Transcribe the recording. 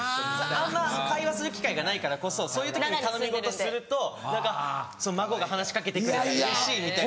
あんま会話する機会がないからこそそういう時に頼み事すると「孫が話し掛けてくれたうれしい」みたいな。